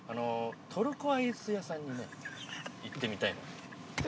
◆トルコアイス屋さんにね行ってみたいなと。